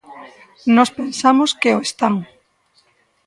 Nós pensamos que o están.